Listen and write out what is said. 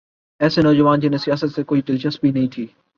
ایسے نوجوان جنہیں سیاست سے کوئی دلچسپی نہیں تھی۔